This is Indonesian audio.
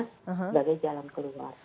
sebagai jalan keluar